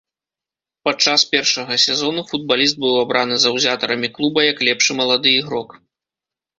Падчас першага сезону футбаліст быў абраны заўзятарамі клуба як лепшы малады ігрок.